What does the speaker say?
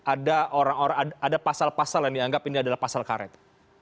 ada orang orang ada pasal pasal yang dianggap ini adalah pasal karet